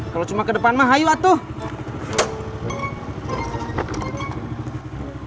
kalau cuma ke depan mah hayo atuh